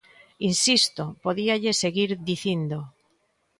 Insisto, podíalle seguir dicindo.